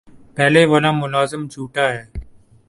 پہلے والا ملازم جھوٹا ہے